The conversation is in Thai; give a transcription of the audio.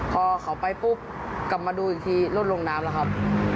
พอเขาไปปุ๊บกลับมาดูอีกทีรถลงน้ำแล้วครับ